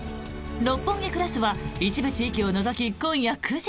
「六本木クラス」は一部地域を除き今夜９時。